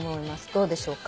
どうでしょうか？